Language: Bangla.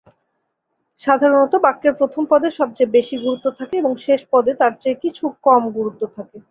সাধারণত বাক্যের প্রথম পদে সবচেয়ে বেশি গুরুত্ব থাকে, এবং শেষ পদে তার চেয়ে কিছু কম গুরুত্ব থাকে।